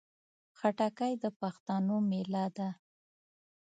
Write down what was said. خټکی د پښتنو مېله ده.